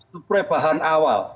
suplai bahan awal